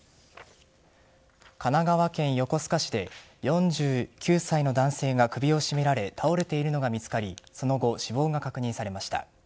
神奈川県横須賀市で４９歳の男性が首を絞められて倒れているのが見つかりその後、死亡が確認されました。